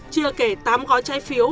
chưa kể tám gói trái phiếu